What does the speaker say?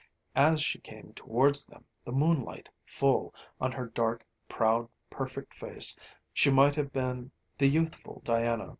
As she came towards them, the moonlight full on her dark, proud, perfect face, she might have been the youthful Diana.